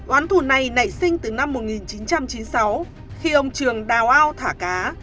oán thù này nảy sinh từ năm một nghìn chín trăm chín mươi sáu khi ông trường đào ao thả cá